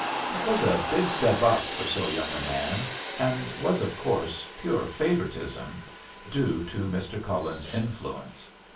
It was a big step up for so young a man, and was of course pure favoritism, due to Mr. Cullen's influence.